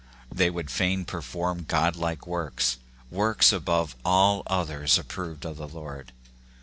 " They would fain perform godlike works, works above all others ap proved of the Lord.